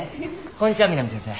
こんにちは南先生。